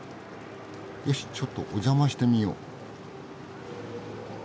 よしちょっとお邪魔してみよう。